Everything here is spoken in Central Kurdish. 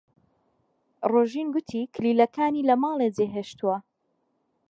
ڕۆژین گوتی کلیلەکانی لە ماڵێ جێهێشتووە.